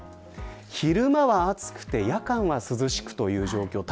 昼間は暑くて夜間は涼しいという状況です。